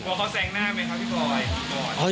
บอกว่าเขาแสงหน้าไหมครับพี่บอย